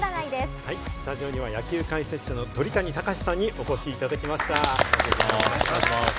スタジオには野球解説者の鳥谷敬さんにお越しいただきました。